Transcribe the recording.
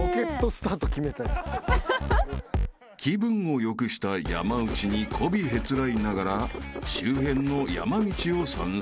［気分を良くした山内にこびへつらいながら周辺の山道を散策。